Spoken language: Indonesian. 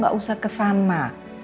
gak usah kesana